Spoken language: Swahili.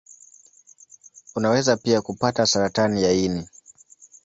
Unaweza pia kupata saratani ya ini.